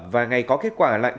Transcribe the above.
và ngày có kết quả lại